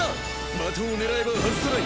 的を狙えば外さない！